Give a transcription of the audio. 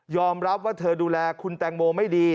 รับว่าเธอดูแลคุณแตงโมไม่ดี